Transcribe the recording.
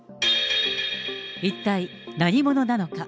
一体、何者なのか。